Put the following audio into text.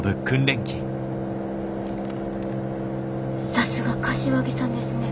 さすが柏木さんですね